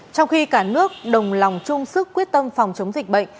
trong khi cả nước đồng lòng chung sức quyết tâm phòng chống dịch bệnh